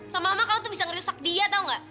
lama lama kamu tuh bisa merusak dia tau gak